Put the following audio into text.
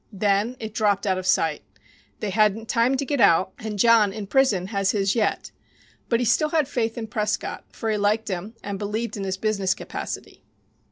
Then it dropped out of sight. They hadn't time to get out, and John, in prison, has his yet. But he still had faith in Prescott, for he liked him and believed in his business capacity.